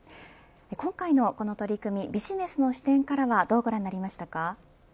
今回のこの取り組みビジネスの視点からはどうご覧になりましたか。